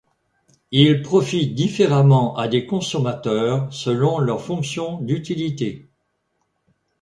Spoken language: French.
Il profite différemment à des consommateurs selon leurs fonctions d'utilité.